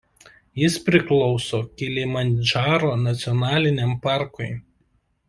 Jis priklauso Kilimandžaro nacionaliniam parkui.